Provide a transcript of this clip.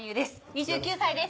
２９歳です